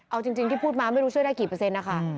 เอาจริงที่พูดมาไม่รู้ช่วยได้กี่เปอร์เซ็นต์นะคะ